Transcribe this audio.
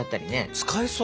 使えそう。